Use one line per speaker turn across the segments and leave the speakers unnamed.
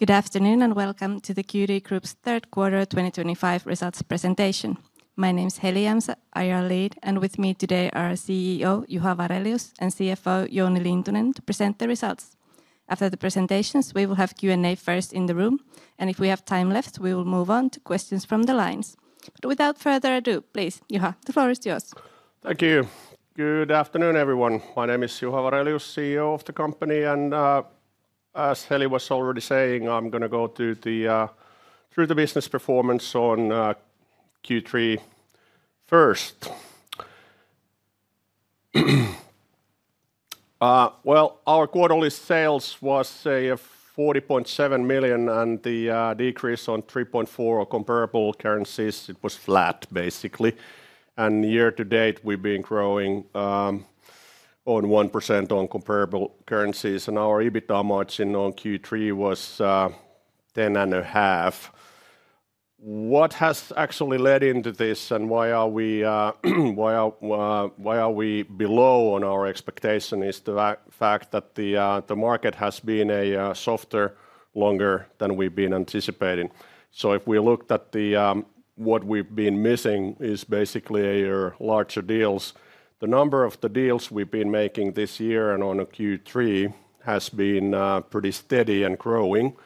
Good afternoon and welcome to the Qt Group's third quarter 2025 results presentation. My name is Heli Jämsä, IR Lead, and with me today are CEO Juha Varelius and CFO Jouni Lintunen to present the results. After the presentations, we will have Q&A first in the room, and if we have time left, we will move on to questions from the lines. Without further ado, please, Juha, the floor is yours.
Thank you. Good afternoon everyone. My name is Juha Varelius, CEO of the company, and as Heli was already saying, I'm going to go through the business performance on Q3 first. Our quarterly sales was $40.7 million. The decrease on 3.4% comparable currencies, it was flat basically. Year to date we've been growing on 1% on comparable currencies and our EBITDA margin on Q3 was 10.5%. What has actually led into this and why are we below on our expectation is the fact that the market has been softer, longer than we've been anticipating. If we looked at what we've been missing, it is basically larger deals. The number of the deals we've been making this year and on Q3 has been pretty steady and growing.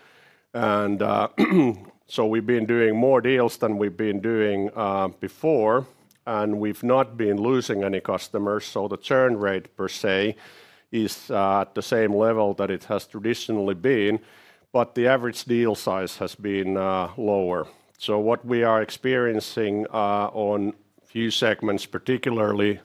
We've been doing more deals than we've been doing before and we've not been losing any customers. The churn rate per se is at the same level that it has traditionally been, but the average deal size has been lower. What we are experiencing on few segments, particularly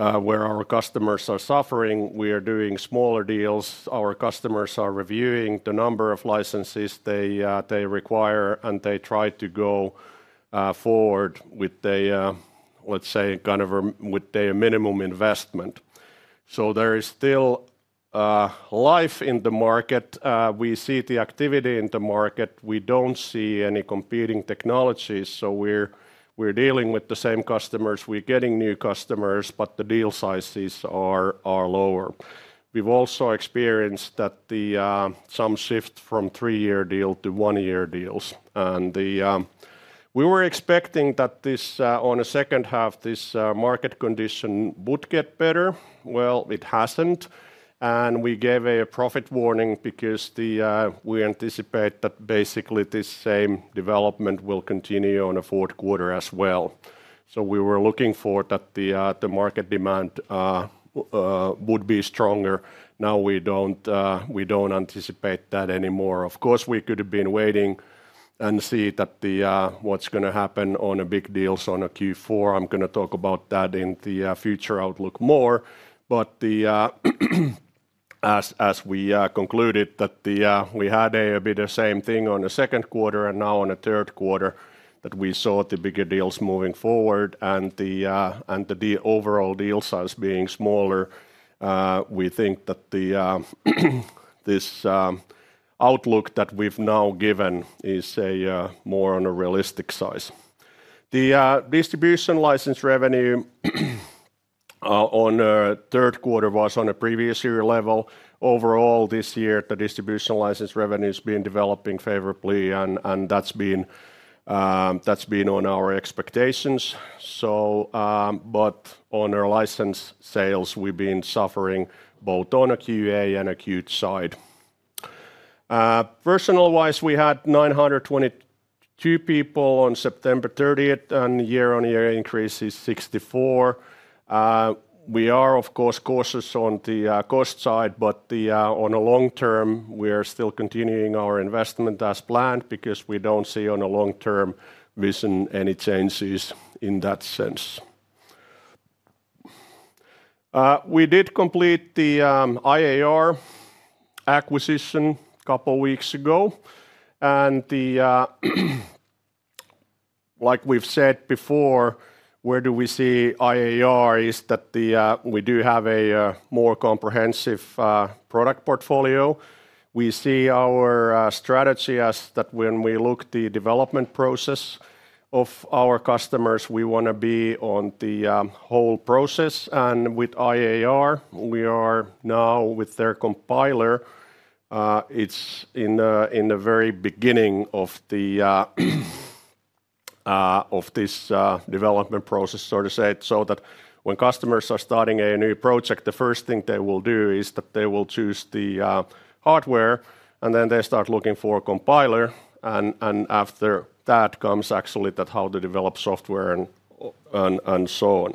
where our customers are suffering, we are doing smaller deals. Our customers are reviewing the number of licenses they require and they try to go forward with a, let's say, kind of with a minimum investment. There is still life in the market. We see the activity in the market, we don't see any competing technologies. We're dealing with the same customers, we're getting new customers, but the deal sizes are lower. We've also experienced some shift from three-year deal to one-year deals. We were expecting that this on the second half this market condition would get better. It hasn't and we gave a profit warning because we anticipate that basically this same development will continue on the fourth quarter as well. We were looking for that the market demand would be stronger. Now we don't anticipate that anymore. Of course, we could have been waiting and see what's going to happen on a big deal on a Q4. I'm going to talk about that in the future outlook more, but as we concluded that we had a bit of same thing on the second quarter and now on the third quarter that we saw the bigger deals moving forward and the overall deal size being smaller, we think that this outlook that we've now given is more on a realistic size. The distribution license revenue on third quarter was on a previous year level. Overall this year the distribution license revenue has been developing favorably and that's been on our expectations. On our license sales we've been suffering both on ACUA and Qt side. Version wise, we had 922 people on September 30th and year-on-year increase is 64. We are of course cautious on the cost side, but in the long-term we are still continuing our investment as planned because we don't see in a long-term vision any changes in that sense. We did complete the IAR acquisition a couple weeks ago, and like we've said before, where we see IAR is that we do have a more comprehensive product portfolio. We see our strategy as that when we look at the development process of our customers, we want to be in the whole process. With IAR Systems, we are now with their compiler. It's in the very beginning of this development process, so to say, so that when customers are starting a new project, the first thing they will do is choose the hardware and then they start looking for compiler technology, and after that comes actually how to develop software and so on.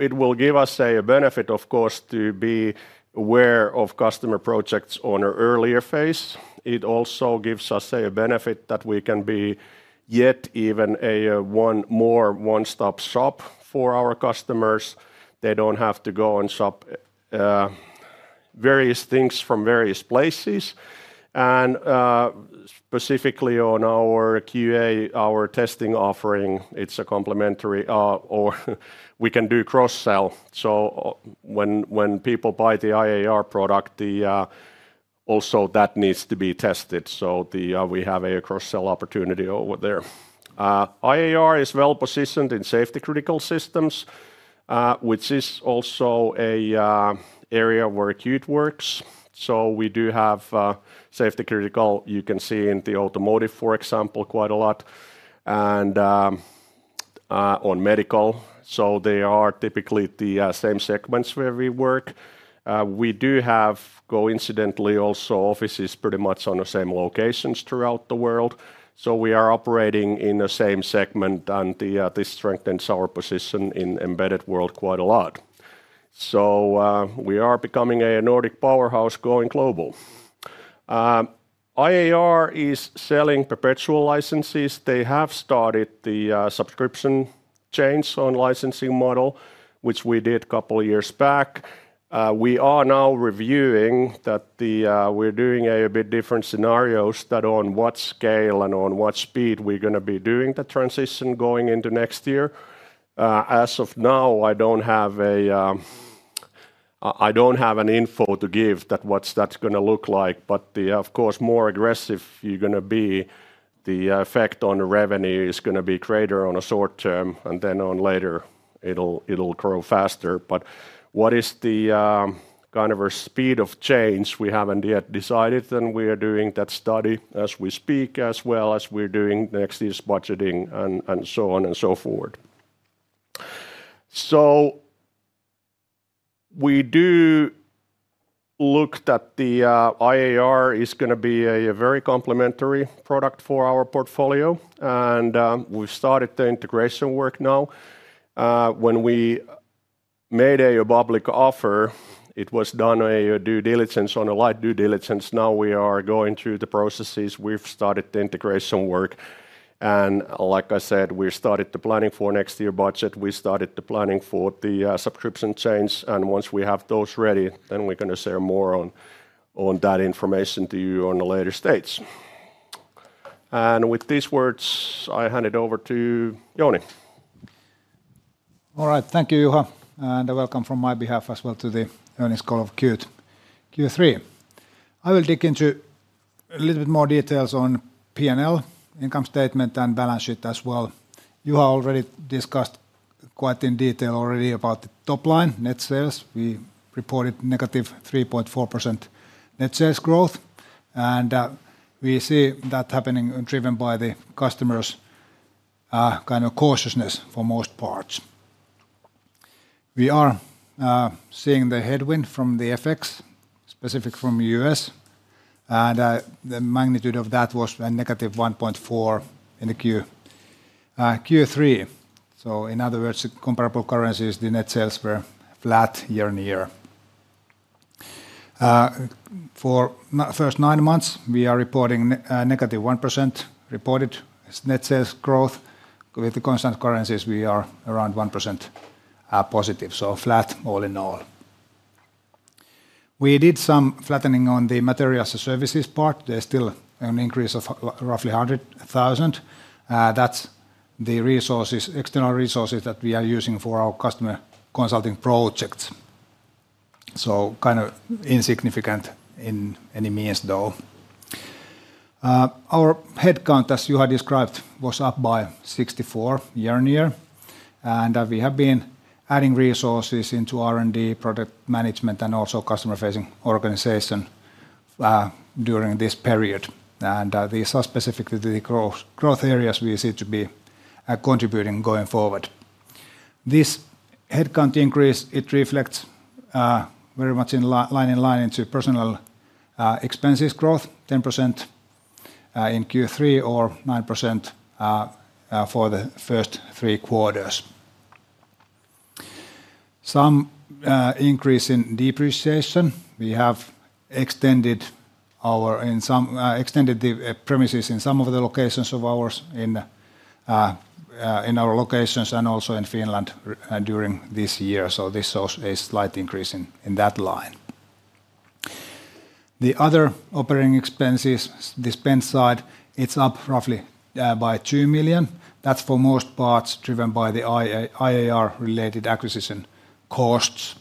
It will give us a benefit, of course, to be aware of customer projects at an earlier phase. It also gives us a benefit that we can be yet even more of a one-stop shop for our customers. They don't have to go and shop various things from various places. Specifically on our QA, our testing offering, it's complementary or we can do cross-sell. When people buy the IAR product, the open also needs to be tested, so we have a cross-sell opportunity over there. IAR is well positioned in safety-critical systems, which is also an area where Qt works. We do have safety-critical. You can see in the automotive, for example, quite a lot and in medical, so they are typically the same segments where we work. We do have coincidentally also offices pretty much in the same locations throughout the world. We are operating in the same segment and this strengthens our position in the embedded world quite a lot. We are becoming a Nordic powerhouse going global. IAR is selling perpetual licenses. They have started the subscription change on licensing model, which we did a couple of years back. We are now reviewing that, we're doing a bit different scenarios on what scale and on what speed we're going to be doing the transition going into next year. As of now, I don't have info to give on what that's going to look like, but of course, the more aggressive you're going to be, the effect on the revenue is going to be greater in the short-term and then later it'll grow faster. What is the kind of our speed of change? We haven't yet decided and we are doing that study as we speak, as well as we're doing next year's budgeting and so on and so forth. We do look that the IAR, is going to be a very complementary product for our portfolio and we've started the integration work now. When we made a public offer, it was done on a light due diligence. Now we are going through the processes, we've started to integrate some work, and like I said, we started the planning for next year's budget, we started the planning for the subscription change, and once we have those ready, then we're going to share more on that information to you at a later stage. With these words, I hand it over to Jouni.
All right, thank you Juha and welcome from my behalf as well to the earnings call of Qt Q3. I will dig into a little bit more details on P&L income statement and balance sheet as well. You have already discussed quite in detail already about the top line net sales. We reported -3.4% net sales growth and we see that happening driven by the customers' kind of cautiousness for most parts. We are seeing the headwind from the FX, specific from U.S., and the magnitude of that was negative 1.4% in the Q3. In other words, comparable currencies, the net sales were flat year on year. For first nine months we are reporting -1% reported net sales growth. With the constant currencies we are around 1% positive, so flat all in all. We did some flattening on the materials and services part. There's still an increase of roughly $100,000. That's the resources, external resources that we are using for our customer consulting projects, so kind of insignificant in any means though. Our headcount, as you had described, was up by 64 year-on-year and we have been adding resources into R&D, product management, and also customer facing organization during this period. These are specific to the growth areas we see to be contributing going forward. This headcount increase reflects very much in line, in line into personnel expenses growth, 10% in Q3 or 9% for the first three quarters. Some increase in depreciation. We have extended the premises in some of the locations of ours, in our locations and also in Finland during this year. This shows a slight increase in that line. The other operating expenses, the spend side, it's up roughly by $2 million. That's for most parts driven by the IAR related acquisition costs.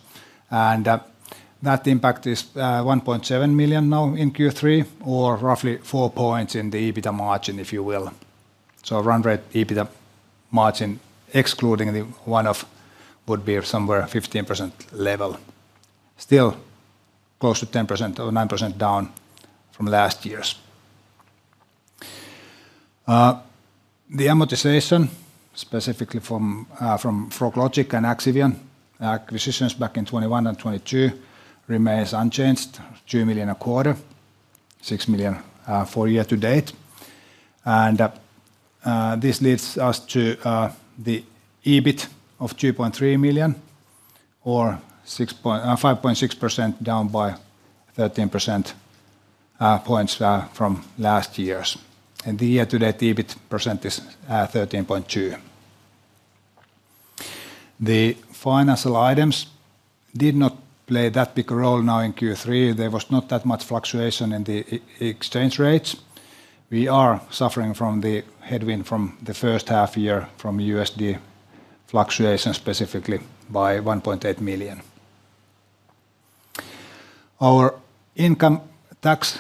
That impact is $1.7 million now in Q3 or roughly 4 points in the EBITDA margin, if you will. Run rate EBITDA margin excluding the one-off would be somewhere 15% level, still close to 10% or 9% down from last year's. The amortization specifically from FrogLogic and Axivian acquisitions back in 2021 and 2022 remains unchanged, $2 million a quarter, $6 million for year-to-date. This leads us to the EBIT of $2.3 million or 5.6%, down by 13% points from last year's. The year-to-date EBIT percent is 13.2%. The financial items did not play that big a role. Now in Q3 there was not that much fluctuation in the exchange rates. We are suffering from the headwind from the first half year from USD fluctuation, specifically by $1.8 million. Our income tax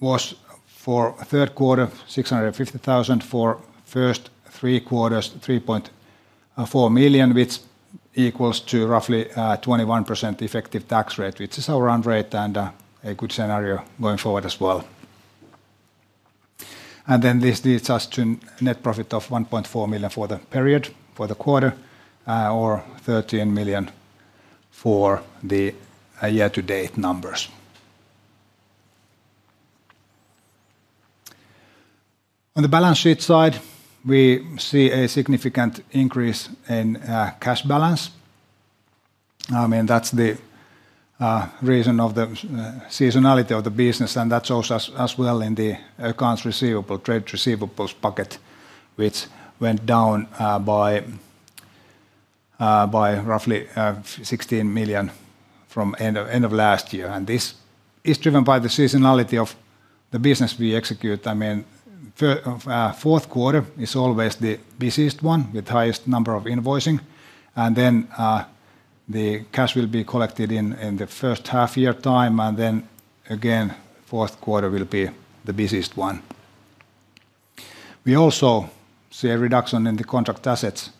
was for third quarter, $650,000, for first three quarters $3.4 million, which equals to roughly 21% effective tax rate, which is our run rate and a good scenario going forward as well. This leads us to net profit of $1.4 million for the period, for the quarter, or $13 million for the year-to-date numbers. On the balance sheet side, we see a significant increase in cash balance. I mean that's the reason of the seasonality of the business. That shows us as well in the accounts receivable, trade receivables pocket, which went down by roughly $16 million from end of last year. This is driven by the seasonality of the business we execute. Fourth quarter is always the busiest one with highest number of invoicing. The cash will be collected in the first half year time and then again for fourth quarter will be the busiest one. We also see a reduction in the contract assets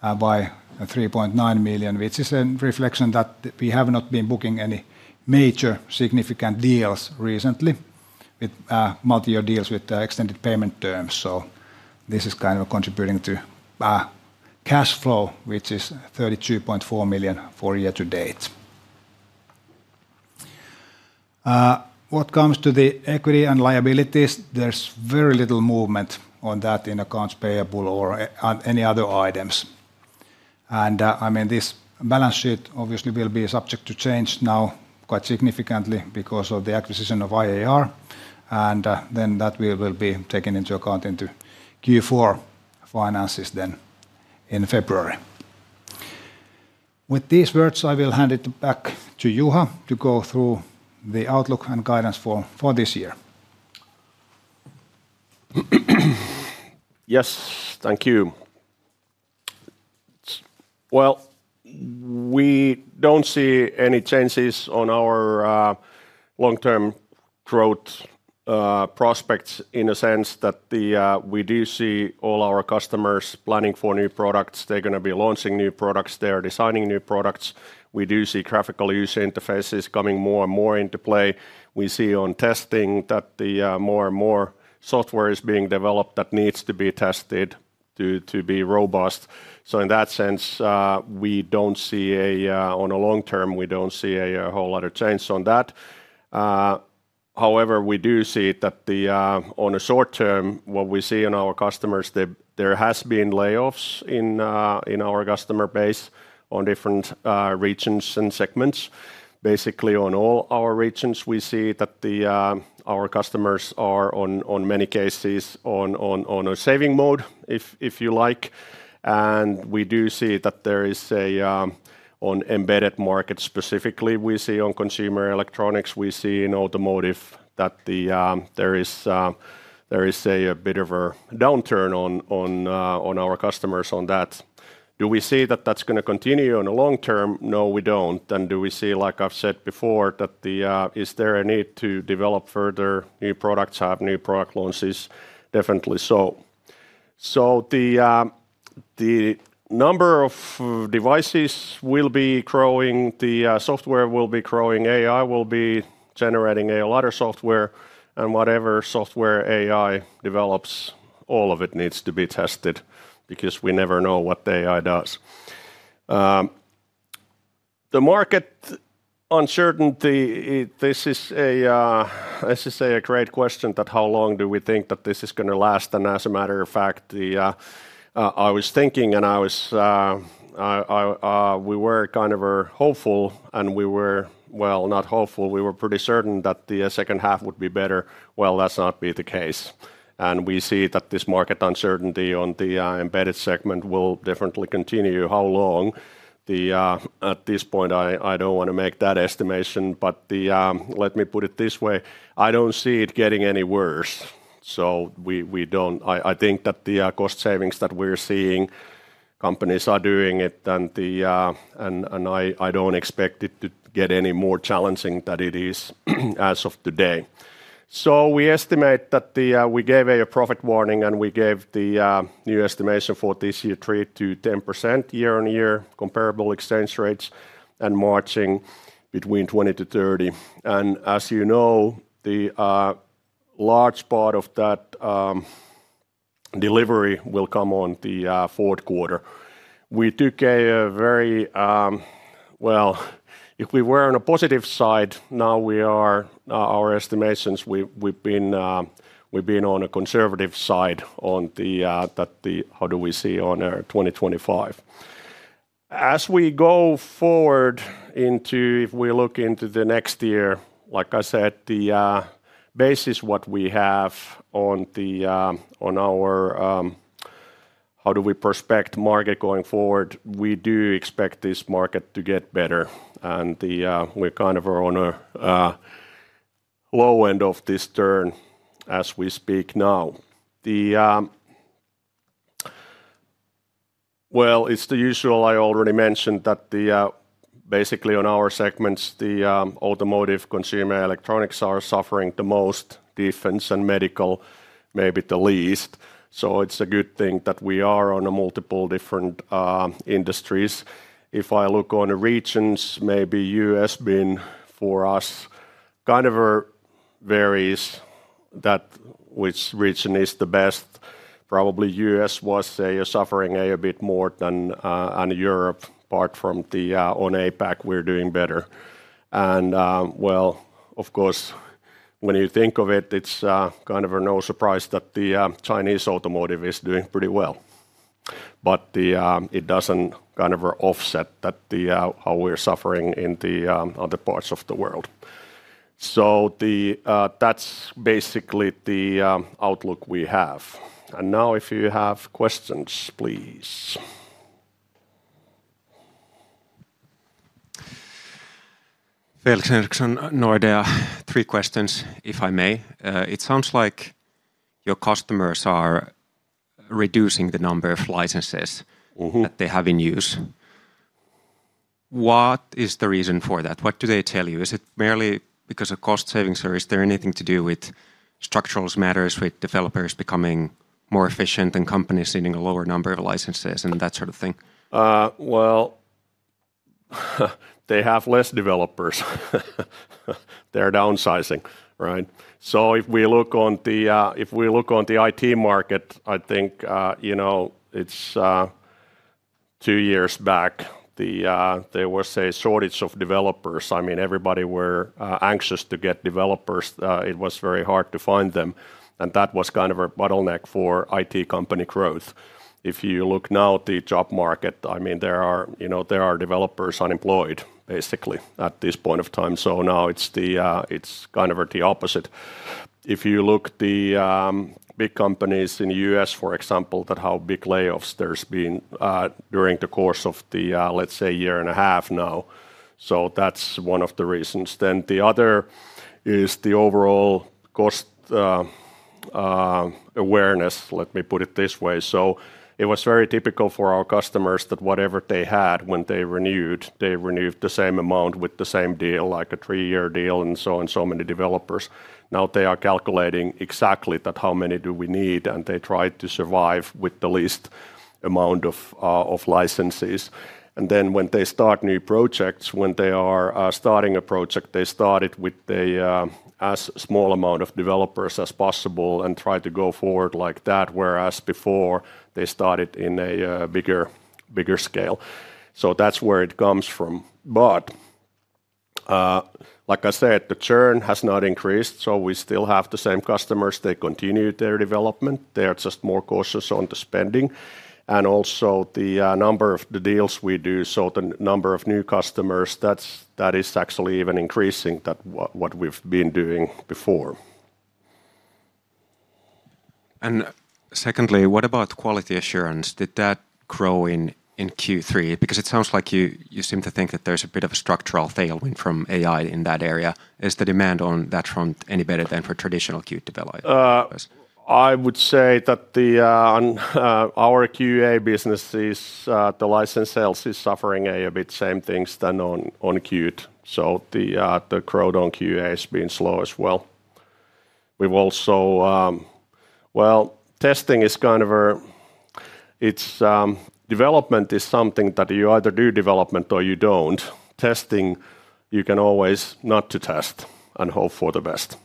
by $3.9 million, which is a reflection that we have not been booking any major significant deals recently with multi-year deals with extended payment terms. This is kind of contributing to cash flow, which is $32.4 million for year-to-date. What comes to the equity and liabilities, there's very little movement on that in accounts payable or any other items. I mean, this balance sheet obviously will be subject to change now quite significantly because of the acquisition of IAR, and that will be taken into account into Q4 finances in February. With these words, I will hand it back to Juha Varelius to go through the outlook and guidance for this year.
Yes, thank you. We don't see any changes on our long-term growth prospects in a sense that we do see all our customers planning for new products. They're going to be launching new products, they're designing new products. We do see graphical user interfaces coming more and more into play. We see on testing that more and more software is being developed that needs to be tested to be robust. In that sense, we don't see on a long-term, we don't see a whole other chance on that. However, we do see that on a short term, what we see in our customers, there have been layoffs in our customer base in different regions and segments. Basically, in all our regions, we see that our customers are in many cases in a saving mode, if you like. We do see that there is, in embedded markets specifically, we see in consumer electronics, we see in automotive that there is a bit of a downturn in our customers on that. Do we see that that's going to continue in the long-term? No, we don't. Do we see, like I've said before, that is there a need to develop further new products, have new product launches? Definitely. The number of devices will be growing, the software will be growing, AI will be generating a lot of software and whatever software AI develops, all of it needs to be tested because we never know what the AI does. The market uncertainty, this is a great question, that how long do we think that this is going to last? As a matter of fact, I was thinking and we were kind of hopeful and we were, not hopeful, we were pretty certain that the second half would be better. That's not been the case. We see that this market uncertainty in the embedded segment will definitely continue. How long, at this point I don't want to make that estimation, but let me put it this way, I don't see it getting any worse. We don't, I think that the cost savings that we're seeing companies are doing it and I don't expect it to get any more challenging than it is as of today. We estimate that we gave a profit warning and we gave the new estimation for this year 3%-10% year-on-year comparable exchange rates and margin between 20%-30%. And as you know, the large part of that delivery will come in the fourth quarter. We took a very well if we were on a positive side now we are our estimations we've been on a conservative side on the how do we see on 2025. As we go forward into if we look into the next year like I said the basis what we have on the on our how do we prospect market going forward we do expect this market to get better and we kind of are on a low end of this turn as we speak now. It's the usual I already mentioned that basically on our segments the automotive consumer electronics are suffering the most defense and medical maybe the least. It's a good thing that we are on multiple different industries. If I look on the regions maybe U.S. been for us kind of varies that which region is the best. Probably U.S. was suffering a bit more than Europe apart from the on APAC we're doing better and of course when you think of it it's kind of no surprise that the Chinese automotive is doing pretty well but it doesn't kind of offset how we're suffering in the other parts of the world. That's basically the outlook we have. If you have questions please.
Felix Henriksson, there are three questions if I may. It sounds like your customers are reducing the number of licenses that they have in use. What is the reason for that? What do they tell you? Is it merely because of cost savings, or is there anything to do with structural matters, with developers becoming more efficient and companies needing a lower number of licenses and that sort of thing?
They have less developers, they're downsizing. If we look on the IT market, I think you know, two years back there was a shortage of developers. I mean everybody were anxious to get developers. It was very hard to find them and that was kind of a bottleneck for IT company growth. If you look now at the job market, there are developers unemployed basically at this point of time. Now it's kind of the opposite. If you look at the big companies in the U.S. for example, how big layoffs there's been during the course of the, let's say, year and a half now. That's one of the reasons. The other is the overall cost awareness. Let me put it this way. It was very typical for our customers that whatever they had when they renewed, they renewed the same amount with the same deal, like a three-year deal and so on. Many developers now are calculating exactly how many do we need, and they try to survive with the least amount of licenses. When they start new projects, when they are starting a project, they start with as small amount of developers as possible and try to go forward like that, whereas before they started in a bigger scale. That's where it comes from. Like I said, the churn has not increased. We still have the same customers. They continue their development. They are just more cautious on the spending and also the number of the deals we do. The number of new customers, that is actually even increasing what we've been doing before.
Secondly, what about quality assurance, did that grow in Q3? It sounds like you seem to think that there's a bit of a structural tailwind from AI in that area. Is the demand on that front any better than for traditional Qt developers?
I would say that our QA business, the license sales is suffering a bit same things than on Qt. The crowd on QA has been slow as well. Testing is kind of a development is something that you either do development or you don't. Testing, you can always not to test and hope for the best,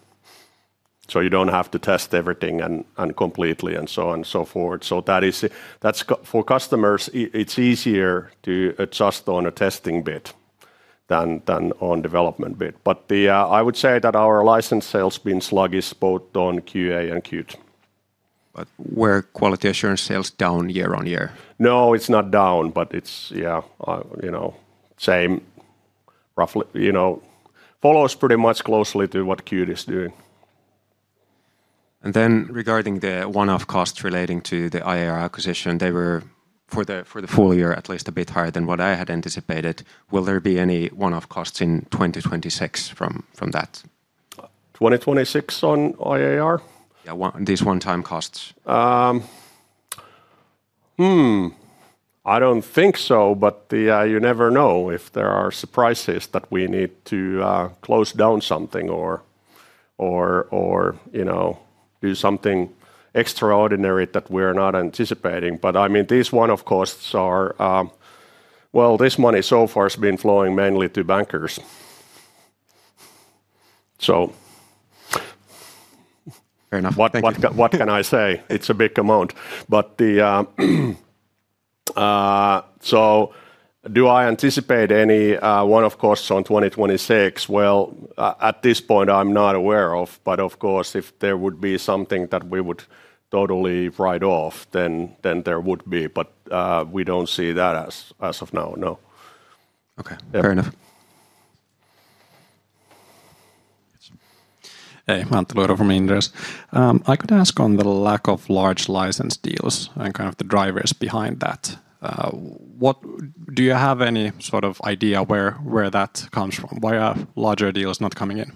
so you don't have to test everything completely and so on and so forth. For customers, it's easier to adjust on a testing bit than on development bit. I would say that our license sales been sluggish both on QA and Qt.
Were quality assurance sales down year-on-year?
No, it's not down, but it's, yeah, you know, same roughly, you know, follows pretty much closely to what Qt is doing.
Regarding the one-off cost relating to the IAR acquisition, they were for the full year at least a bit higher than what I had anticipated. Will there be any one-off costs in 2026 from that?
2026 on IAR?
These one-time costs?
I don't think so. You never know if there are surprises that we need to close down something or do something extraordinary that we are not anticipating. I mean these one-off costs are, well, this money so far has been flowing mainly to bankers. Fair enough, what can I say? It's a big amount. Do I anticipate any one-off costs in 2026? At this point I'm not aware of any. Of course, if there would be something that we would totally write off, then there would be, but we don't see that as of now, no.
Okay, fair enough. Hey, [Mat] from Inderes, I could ask, on the lack of large license deals and kind of the drivers behind that, do you have any sort of idea where that comes from? Why are larger deals not coming in?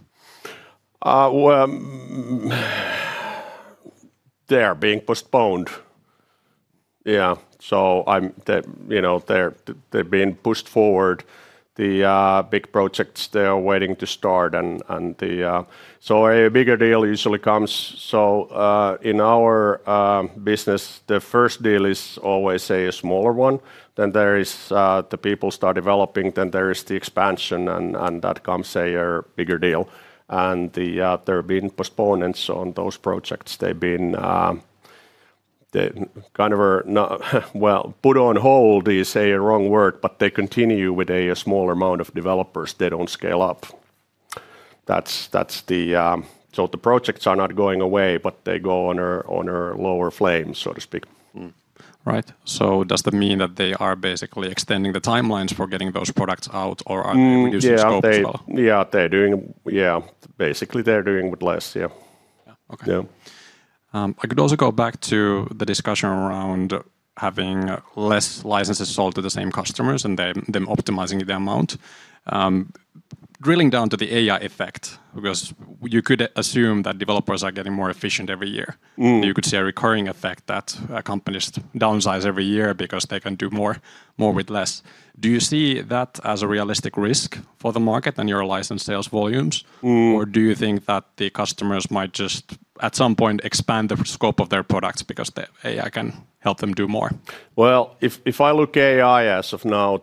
They're being postponed. They're being pushed forward. The big projects are waiting to start. A bigger deal usually comes. In our business, the first deal is always a smaller one. There is the people start developing, then there is the expansion and that comes a bigger deal. There have been postponements on those projects. They've been kind of put on hold. You say a wrong word. They continue with a smaller amount of developers. They don't scale up. The projects are not going away, but they go on a lower flame, so to speak. Right. Does that mean that they are basically extending the timelines for getting those products out, or are they reducing scope as well? Yeah, they're doing with less. Yeah, okay. I could also go back to the discussion around having less licenses sold to the same customers and them optimizing the amount. Drilling down to the AI effect, because you could assume that developers are getting more efficient every year, you could see a recurring effect that companies downsize every year because they can do more with less. Do you see that as a realistic risk for the market and your license sales volumes, or do you think that the customers might just at some point expand the scope of their products because AI can help them do more? If I look at AI as of now,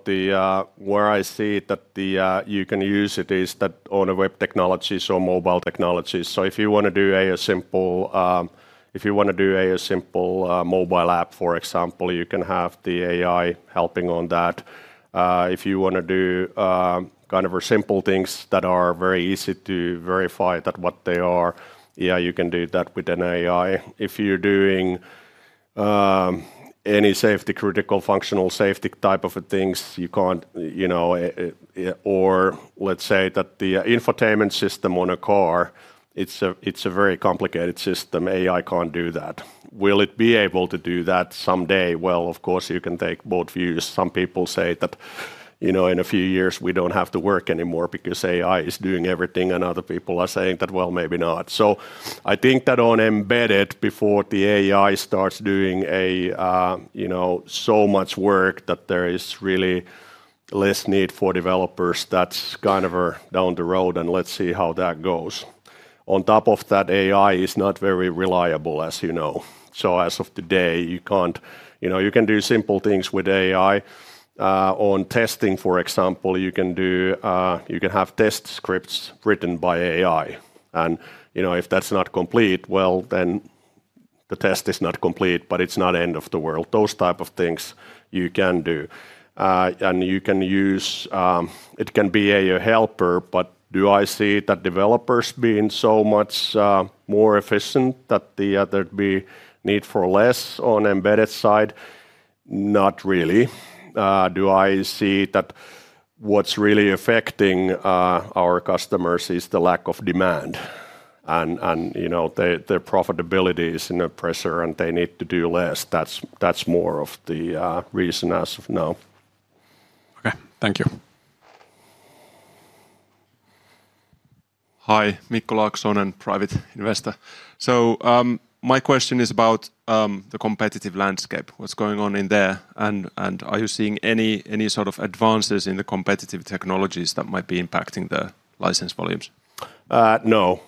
where I see it, that you can use it, is that on web technologies or mobile technologies? If you want to do a simple mobile app, for example, you can have the AI helping on that. If you want to do kind of simple things that are very easy to verify what they are, you can do that with an AI. If you're doing any safety, critical, functional safety type of things, you can't, you know, or let's say that the infotainment system on a car, it's a very complicated system. AI can't do that. Will it be able to do that someday? Of course you can take both views. Some people say that, you know, in a few years we don't have to work anymore because AI is doing everything. Other people are saying that, maybe not. I think that on embedded, before the AI starts doing so much work that there is really less need for developers, that's kind of down the road and let's see how that goes. On top of that, AI is not very reliable as you know. As of today you can't, you know, you can do simple things with AI. On testing, for example, you can have test scripts written by AI and if that's not complete, then the test is not complete, but it's not end of the world. Those type of things you can do and you can use it, it can be a helper. Do I see that developers being so much more efficient that there'd be need for less on embedded side? Not really. Do I see that what's really affecting our customers is the lack of demand and their profitability is under pressure and they need to do less? That's more of the reason as of now. Okay, thank you. Hi, Mikko Laksonen, private investor. My question is about the competitive landscape. What's going on in there, and are you seeing any sort of advances in the competitive technologies that might be impacting the license volumes? No.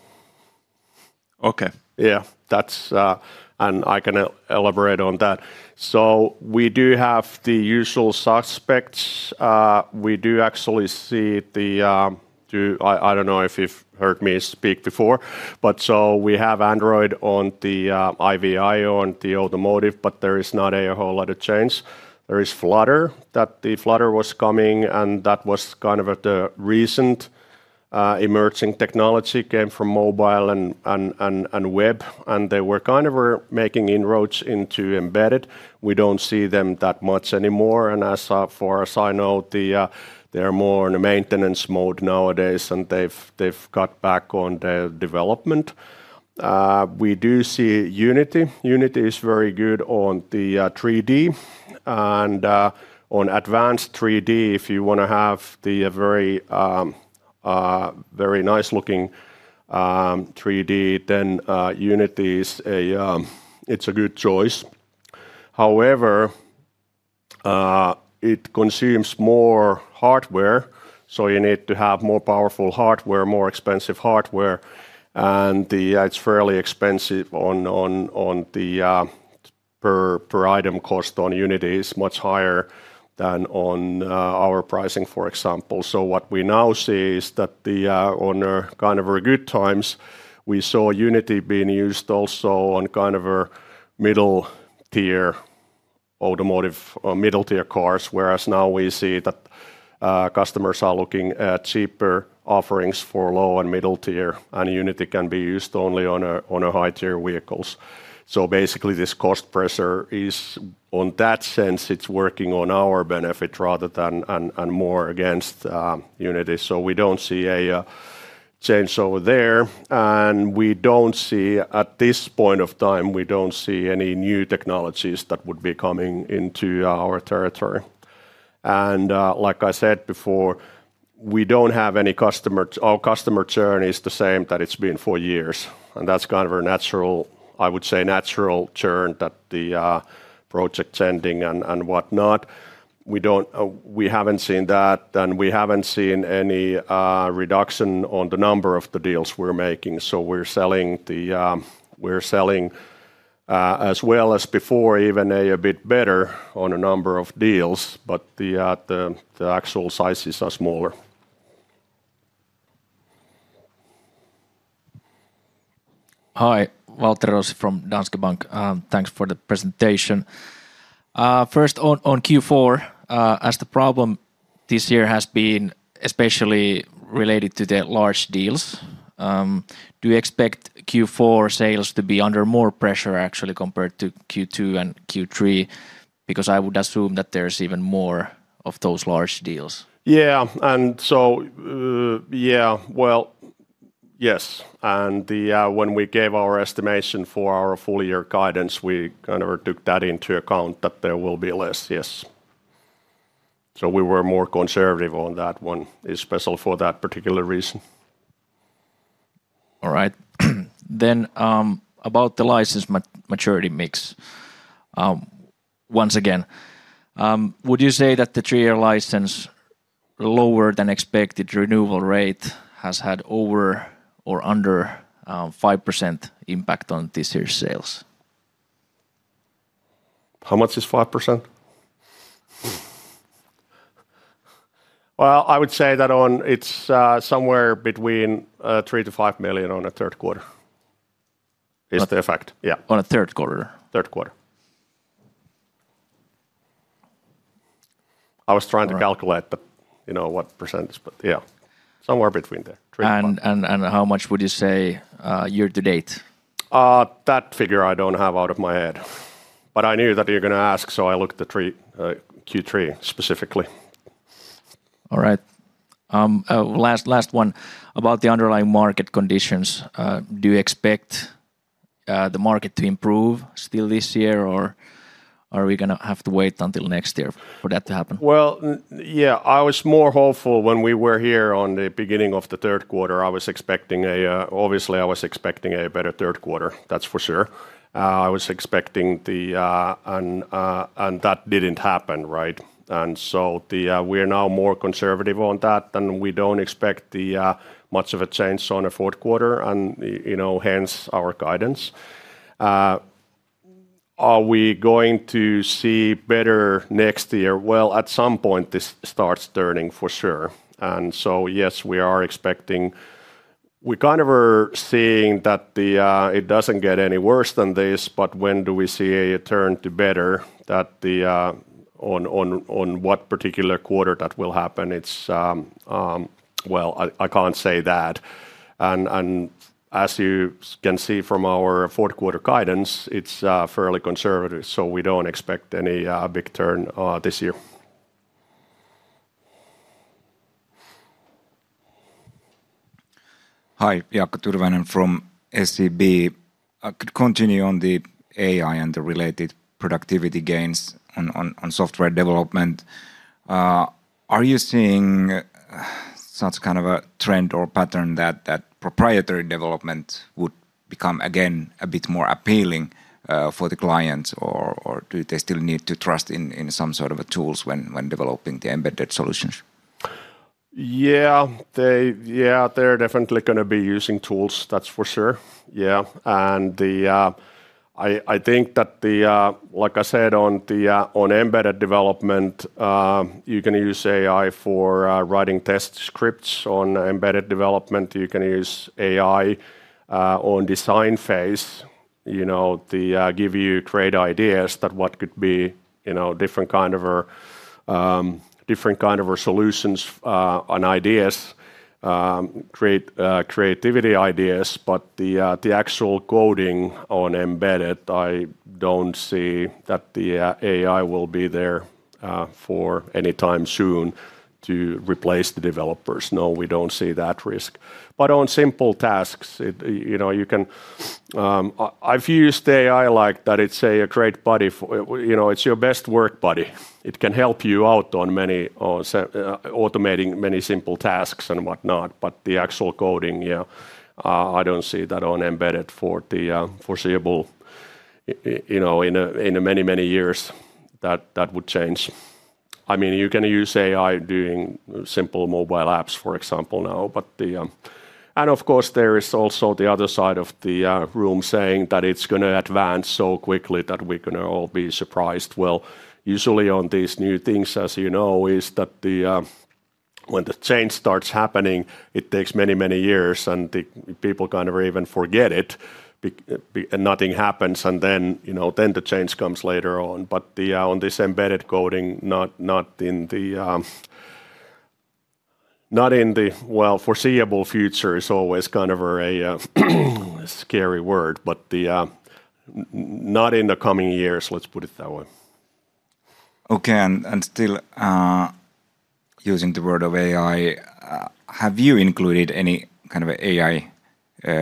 Okay. Yeah, that's. I can elaborate on that. We do have the usual suspects. We do actually see the. I don't know if you've heard me speak before. We have Android on the IV IO and the automotive, but there is not a whole lot of change. There is Flutter. Flutter was coming and that was kind of at the recent emerging technology, came from mobile and web, and they were kind of making inroads into embedded. We don't see them that much anymore, and as far as I know, they are more in a maintenance mode nowadays and they've cut back on their development. We do see Unity. Unity is very good on the 3D and on advanced 3D. If you want to have the very nice looking 3D, then Unity, it's a good choice. However, it consumes more hardware, so you need to have more powerful hardware, more expensive hardware, and it's fairly expensive on the per item cost. On Unity, it's much higher than on our pricing, for example. What we now see is that in our good times, we saw Unity being used also on kind of a middle tier automotive, middle tier cars. Nowadays, we see that customers are looking at cheaper offerings for low and middle tier, and Unity can be used only on high tier vehicles. Basically, this cost pressure is, in that sense, working to our benefit rather than more against Unity. We don't see a change over there, and at this point of time, we don't see any new technologies that would be coming into our territory. Like I said before, we don't have any customer. Our customer churn is the same that it's been for years, and that's kind of our natural, I would say, natural churn that the projects ending and whatnot. We haven't seen that, and we haven't seen any reduction on the number of the deals we're making. We're selling as well as before, even a bit better on a number of deals, but the actual sizes are smaller.
Hi, Waltteri Rossi from Danske Bank. Thanks for the presentation. First, on Q4, as the problem this year has been especially related to the large deals, do you expect Q4 sales to be under more pressure actually compared to Q2 and Q3? Because I would assume that there's even more of those large deals?
Yes, when we gave our estimation for our full year guidance, we kind of took that into account that there will be less. Yes, we were more conservative on that one, especially for that particular reason.
All right, then about the license maturity mix, once again, would you say that the three-year license lower than expected renewal rate has had over or under 5% impact on this year's sales?
How much is 5%? I would say that it's somewhere between $3 million-$5 million on a third quarter is the effect.
Yeah, on the third quarter.
Third quarter, I was trying to calculate, but you know, what percentage. Yeah, somewhere between there.
How much would you say year-to-date?
That figure I don't have out of my head, but I knew that you're going to ask, so I looked the Q3 specifically.
All right, last one about the underlying market conditions. Do you expect the market to improve still this year, or are we going to have to wait until next year for that to happen?
I was more hopeful when we were here at the beginning of the third quarter. I was expecting a better third quarter, that's for sure. I was expecting that, and that didn't happen, right. We are now more conservative on that, and we don't expect much of a change in the fourth quarter, and you know, hence our guidance. Are we going to see better next year? At some point this starts turning for sure. Yes, we are expecting, we kind of are seeing that it doesn't get any worse than this. When do we see a turn to better, on what particular quarter that will happen, I can't say that. As you can see from our fourth quarter guidance, it's fairly conservative. We don't expect any big turn this year.
Hi, Jaakko Tyrvainen from SEB, could continue on the AI and the related productivity gains on software development. Are you seeing such kind of a trend or pattern that proprietary development would become again a bit more appealing for the clients, or do they still need to trust in some sort of tools when developing the embedded solutions?
Yeah, they're definitely going to be using tools, that's for sure. I think that like I said on embedded development, you can use AI for writing test scripts. On embedded development, you can use AI in the design phase to give you great ideas, different kinds of solutions and creative ideas. The actual coding on embedded, I don't see that AI will be there anytime soon to replace the developers. No, we don't see that risk. On simple tasks, you can. I've used AI like that. It's a great buddy, you know, it's your best work buddy. It can help you out on automating many simple tasks and whatnot. The actual coding, I don't see that on embedded for the foreseeable future. In many, many years that would change. I mean, you can use AI doing simple mobile apps, for example, now. Of course, there is also the other side of the room saying that it's going to advance so quickly that we're going to all be surprised. Usually on these new things, as you know, when the change starts happening, it takes many, many years and people kind of even forget it and nothing happens, and then the change comes later on. On this embedded coding, not in the foreseeable future, it's always kind of a scary word but not in the coming years, let's put it that way.
Okay. Still using the word of AI, have you included any kind of AI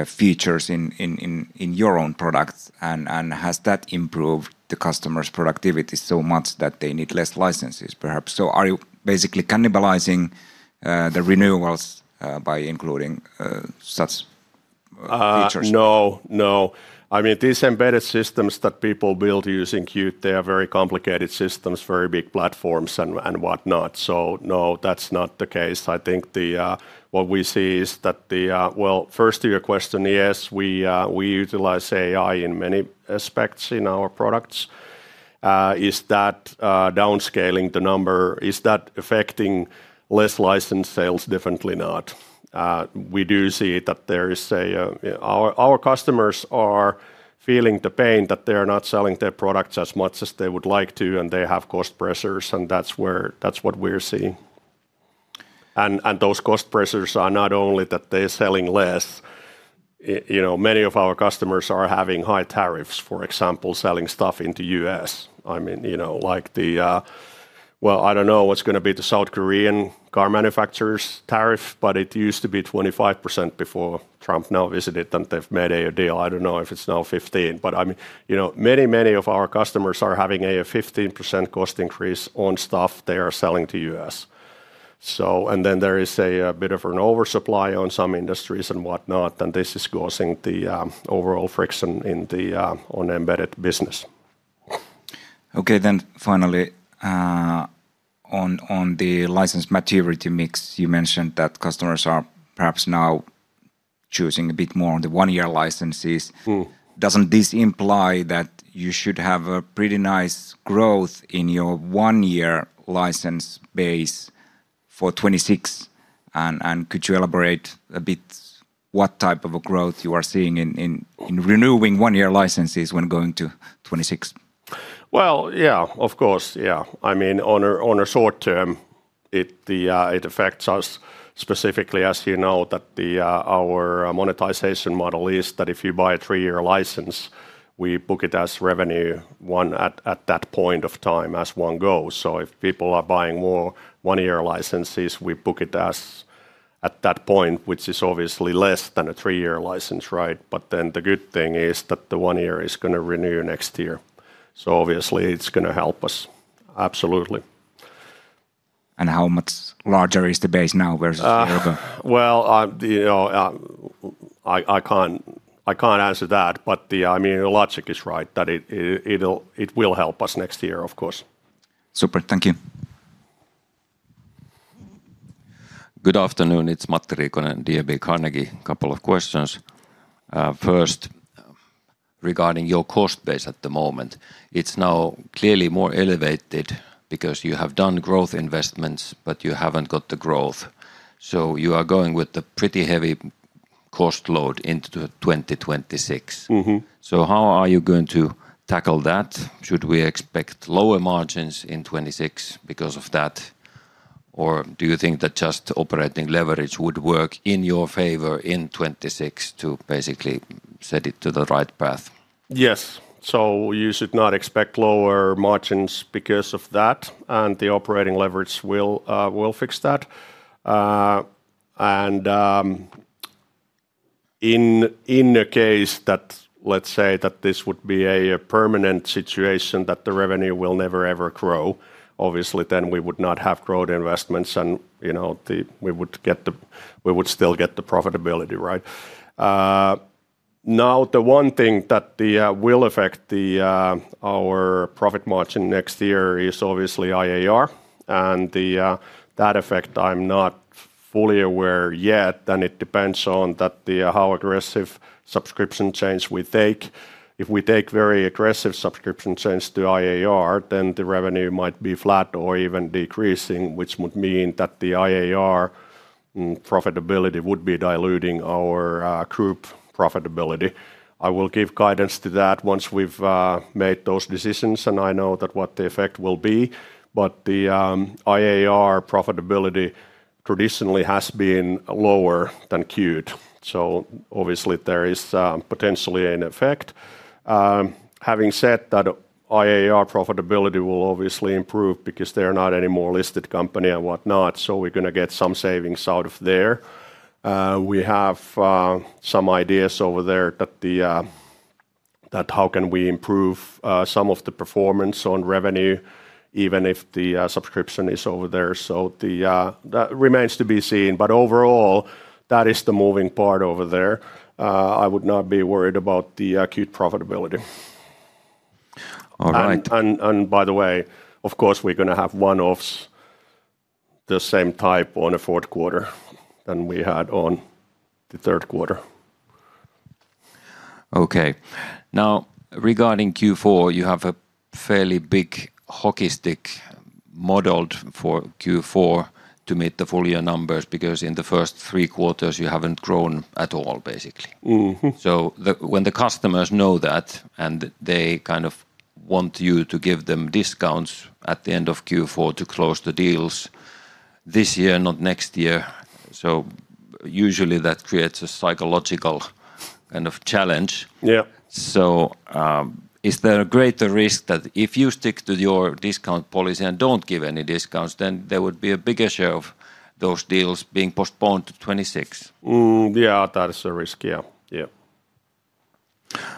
features in your own products? Has that improved the customer's productivity so much that they need less licenses perhaps? Are you basically cannibalizing the renewals by including such?
No, no. I mean these embedded systems that people build using Qt, they are very complicated systems, very big platforms and whatnot. That is not the case. What we see is that, first to your question, yes, we utilize AI in many aspects in our products. Is that downscaling the number, is that affecting less licensed sales? Definitely not. We do see that our customers are feeling the pain that they are not selling their products as much as they would like to and they have cost pressures, and that's what we're seeing. Those cost pressures are not only that they're selling less. Many of our customers are having high tariffs, for example, selling stuff into the U.S. I mean, like the, I don't know what's going to be the South Korean car manufacturers tariff, but it used to be 25% before Trump now visited and they've made a deal. I don't know if it's now 15%, but many, many of our customers are having a 15% cost increase on stuff they are selling to the U.S. There is a bit of an oversupply in some industries and whatnot. This is causing the overall friction in the embedded business.
Okay, then finally on the license maturity mix, you mentioned that customers are perhaps now choosing a bit more on the one-year licenses. Doesn't this imply that you should have a pretty nice growth in your one-year license base for 2026? Could you elaborate a bit what type of growth you are seeing in renewing one-year licenses when going to 2026?
Of course, yeah. I mean, on a short term it affects us specifically as you know that our monetization model is that if you buy a three year license, we book it as revenue at that point of time as one goes. If people are buying more one-year licenses, we book it at that point, which is obviously less than a three-year license. The good thing is that the one year is going to renew next year, so obviously it's going to help us. Absolutely.
How much larger is the base now versus a year ago?
I can't answer that, but I mean logic is right that it will help us next year, of course.
Super. Thank you.
Good afternoon, it's Matti Riikonen at Carnegie. A couple of questions. First, regarding your cost base at the moment, it's now clearly more elevated because you have done growth investments but you haven't got the growth. You are going with the pretty heavy cost load into 2026. How are you going to tackle that? Should we expect lower margins in 2026 because of that, or do you think that just operating leverage would work in your favor in 2026 to basically set it to the right path?
Yes. You should not expect lower margins because of that. The operating leverage will fix that. In the case that, let's say that this would be a permanent situation, that the revenue will never ever grow, obviously then we would not have grown investments and, you know, we would get the, we would still get the profitability, right? Now the one thing that will affect our profit margin next year is obviously IAR, and that effect I'm not fully aware yet. It depends on how aggressive subscription change we take. If we take very aggressive subscription change to IAR, then the revenue might be flat or even decreasing, which would mean that the IAR profitability would be diluting our group profitability. I will give guidance to that once we've made those decisions and I know what the effect will be. The IAR profitability traditionally has been lower than Qt. Obviously there is potentially an effect. Having said that, IAR profitability will obviously improve because they're not any more listed company and whatnot. We're going to get some savings out of there. We have some ideas over there about how we can improve some of the performance on revenue even if the subscription is over there. That remains to be seen. Overall, that is the moving part over there. I would not be worried about the Qt profitability. By the way, of course we're going to have one-offs the same type in the fourth quarter as we had in the third quarter.
Okay. Now regarding Q4, you have a fairly big hockey stick modeled for Q4 to meet the full year numbers because in the first three quarters you haven't grown at all, basically. When the customers know that and they kind of want you to give them discounts at the end of Q4 to close the deals this year, not next year, that usually creates a psychological kind of challenge. Is there a greater risk that if you stick to your discount policy and don't give any discounts, then there would be a bigger share of those deals being postponed to 2026?
They are. That is a risk.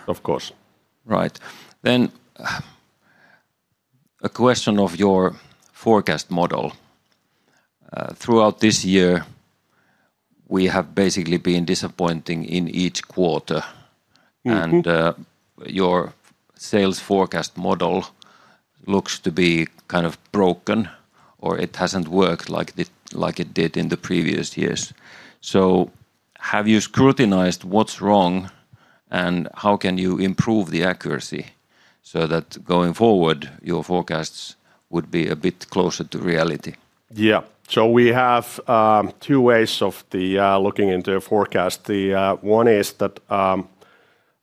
Of course.
Right. A question of your forecast model. Throughout this year we have basically been disappointing in each quarter, and your sales forecast model looks to be kind of broken or it hasn't worked like it did in the previous years. Have you scrutinized what's wrong, and how can you improve the accuracy so that going forward your forecasts would be a bit closer to reality?
Yeah. We have two ways of looking into a forecast. One is that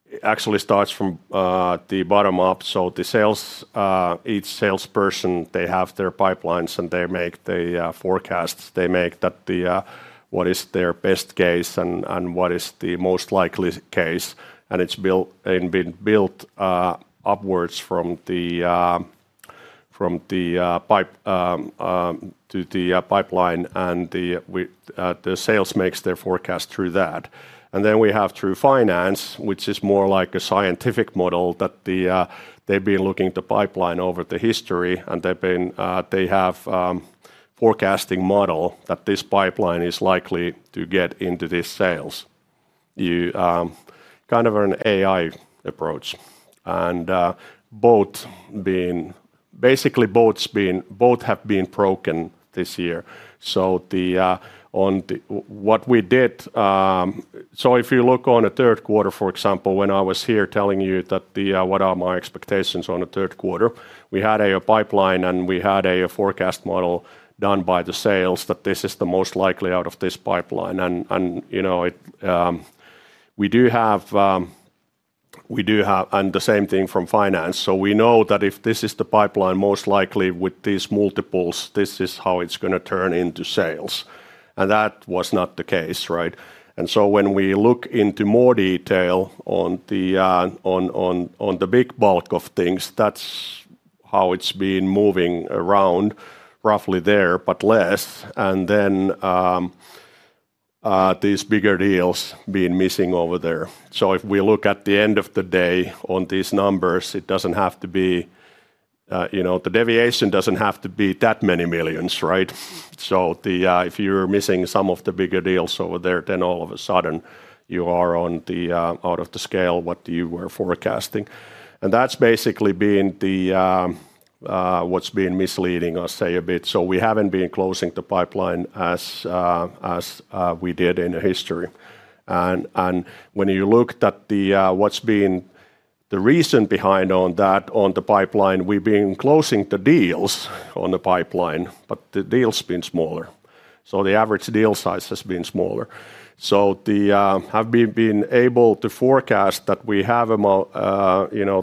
it actually starts from the bottom up. Each salesperson has their pipelines and they make the forecasts. They make what is their best case and what is the most likely case, and it's been built upwards from the pipeline, and the sales makes their forecast through that. We have through finance, which is more like a scientific model, that they've been looking to pipeline over the history, and they have a forecasting model that this pipeline is likely to get into these sales. You have kind of an AI approach, and both have been basically broken this year. On what we did, if you look on the third quarter, for example, when I was here telling you what are my expectations on the third quarter, we had a pipeline and we had a forecast model done by the sales that this is the most likely out of this pipeline. We do have the same thing from finance. We know that if this is the pipeline, most likely with these multiples, this is how it's going to turn into sales. That was not the case. When we look into more detail on the big bulk of things, that's how it's been moving around roughly there, but less, and then these bigger deals being missing over there. If we look at the end of the day on these numbers, the deviation doesn't have to be that many millions, right? If you're missing some of the bigger deals over there, then all of a sudden you are on the out of the scale of what you were forecasting. That's basically what's been misleading, I say, a bit. We haven't been closing the pipeline as we did in history. When you look at what's been the reason behind that on the pipeline, we've been closing the deals on the pipeline, but the deals have been smaller. The average deal size has been smaller. Have we been able to forecast that we have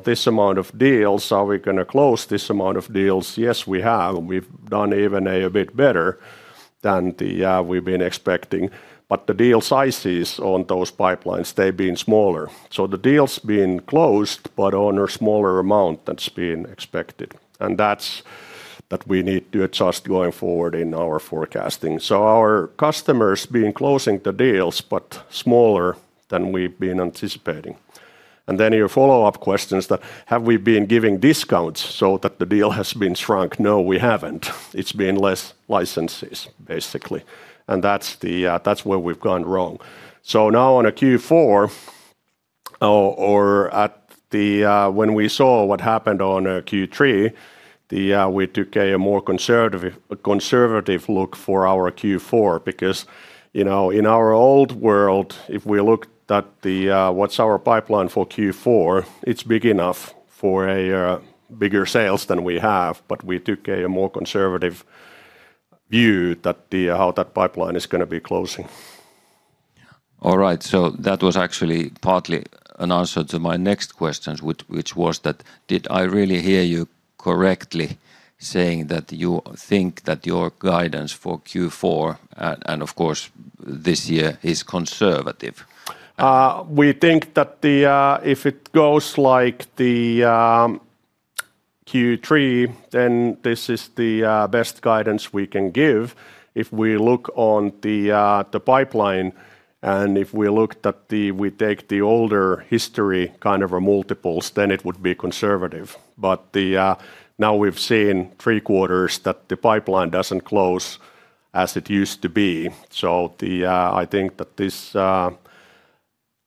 this amount of deals? Are we going to close this amount of deals? Yes, we have, and we've done even a bit better than we've been expecting. The deal sizes on those pipelines have been smaller. The deals have been closed, but on a smaller amount than being expected, and that's what we need to adjust going forward in our forecasting. Our customers have been closing the deals, but smaller than we've been anticipating. Your follow-up question is that have we been giving discounts so that the deal has been shrunk? No, we haven't. It's been less licenses basically. That's where we've gone wrong. Now, on Q4, or when we saw what happened on Q3, we took a more conservative look for our Q4 because, you know, in our old world, if we look at what's our pipeline for Q4, it's big enough for bigger sales than we have. We took a more conservative view of how that pipeline is going to be closing.
All right, that was actually partly an answer to my next question, which was that did I really hear you correctly saying that you think that your guidance for Q4 and of course this year is conservative?
We think that if it goes like the Q3, then this is the best guidance we can give. If we look on the pipeline and if we looked at the, we take the older history kind of multiples, then it would be conservative. Now we've seen three quarters that the pipeline doesn't close as it used to be. I think that this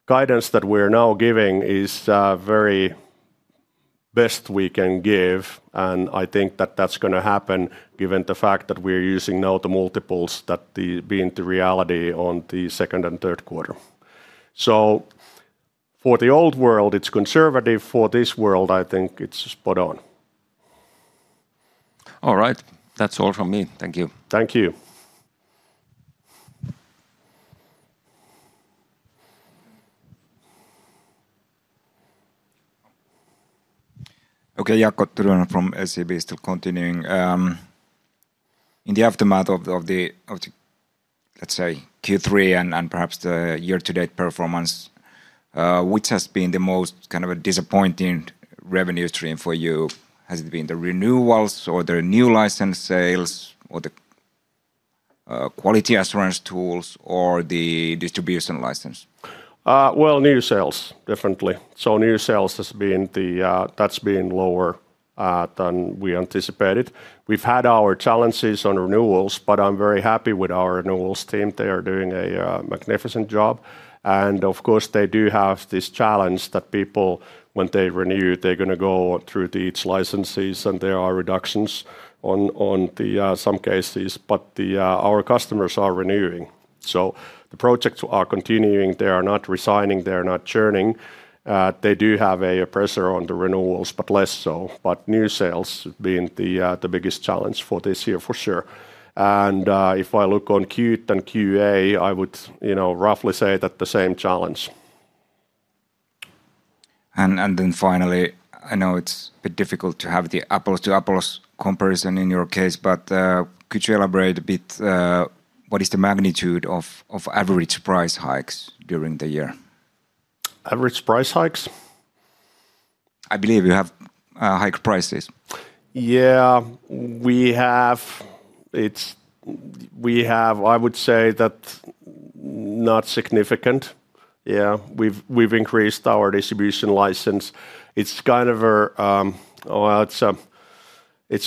guidance that we are now giving is very best we can give. I think that that's going to happen given the fact that we are using now the multiples that be the reality on the second and third quarter. For the old world, it's conservative. For this world, I think it's spot on.
All right, that's all from me.
Thank you.
Thank you.
Okay, Jaakko Tyrvainen from SEB, still continuing in the aftermath of, let's say, Q3 and perhaps the year-to-date performance, which has been the most kind of a disappointing revenue stream for you. Has it been the renewals or the new license sales or the quality assurance tools or the distribution license?
New sales definitely. New sales has been the, that's been lower than we anticipated. We've had our challenges on renewals, but I'm very happy with our renewals team. They are doing a magnificent job. Of course, they do have this challenge that people, when they renew, they're going to go through each license season. There are reductions in some cases, but our customers are renewing. The projects are continuing. They are not resigning, they are not churning. They do have a pressure on the renewals, but less so. New sales being the biggest challenge for this year for sure. If I look on Qt and QA, I would roughly say that the same challenge.
I know it's difficult to have the apples to apples comparison in your case, but could you elaborate a bit what is the magnitude of average price hikes during the year?
Average price hikes?
I believe you have hiked prices.
Yeah, we have. We have. I would say that not significant. We've increased our distribution license. It's kind of a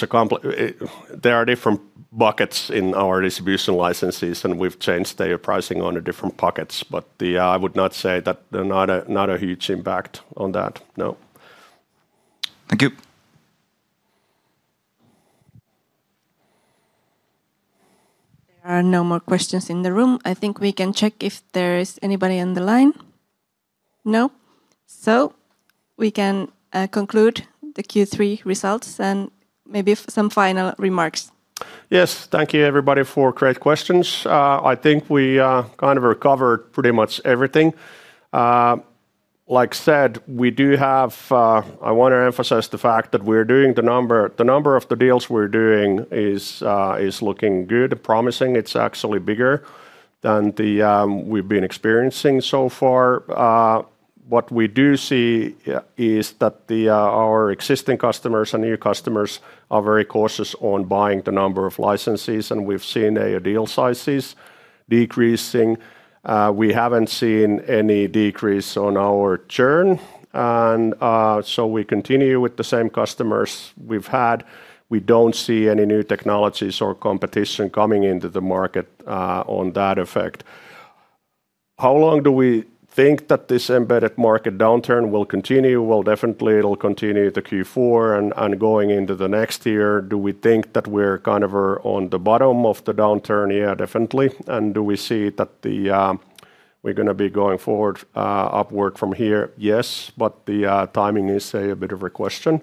complex. There are different buckets in our distribution licenses and we've changed their pricing on the different pockets. I would not say that, not a huge impact on that. No.
Thank you.
There are no more questions in the room. I think we can check if there is anybody on the line. No, we can conclude the Q3 results and maybe some final remarks.
Yes. Thank you everybody for great questions. I think we kind of covered pretty much everything. Like I said, we do have, I want to emphasize the fact that we're doing the number, the number of the deals we're doing is looking good, promising. It's actually bigger than we've been experiencing so far. What we do see is that our existing customers and new customers are very cautious on buying the number of licenses, and we've seen deal sizes decreasing. We haven't seen any decrease on our churn, and we continue with the same customers we've had. We don't see any new technologies or competition coming into the market on that effect. How long do we think that this embedded market downturn will continue? It will definitely continue through Q4 and going into next year. Do we think that we're kind of on the bottom of the downturn? Yeah, definitely. Do we see that we're going to be going forward upward from here? Yes, but the timing is a bit of a question.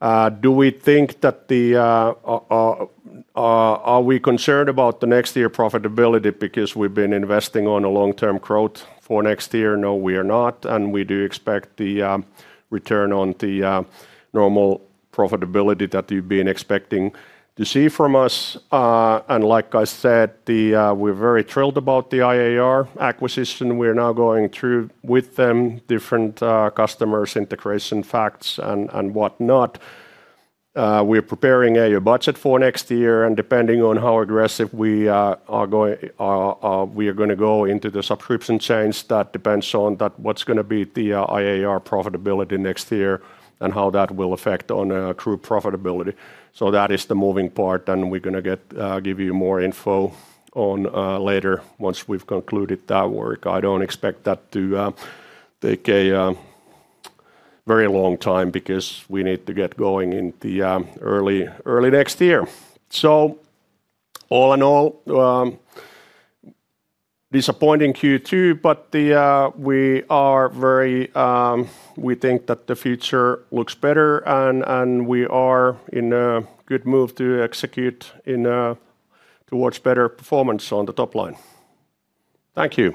Are we concerned about next year profitability because we've been investing on long term growth for next year? No, we are not, and we do expect the return on the normal profitability that you've been expecting to see from us. Like I said, we're very thrilled about the IAR acquisition. We are now going through with them different customers, integration facts, and whatnot. We are preparing a budget for next year, and depending on how aggressive we are going to go into the subscription change, that depends on what's going to be the IAR Systems profitability next year and how that will affect on group profitability. That is the moving part, and we're going to give you more info later once we've concluded that work. I don't expect that to take a very long time because we need to get going in the early, early next year. All in all, disappointing Qt, but we are very, we think that the future looks better, and we are in a good move to execute towards better performance on the top line. Thank you.